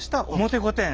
表御殿。